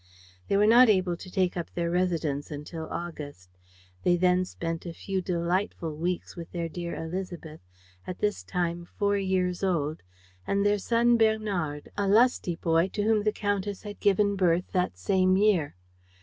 They were not able to take up their residence until August. They then spent a few delightful weeks with their dear Élisabeth, at this time four years old, and their son, Bernard, a lusty boy to whom the Countess had given birth that same year.